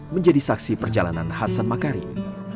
menjadi saksi perjalanan hasan makarim